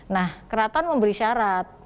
nah kraton memberi syarat